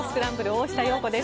大下容子です。